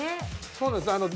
そうですよね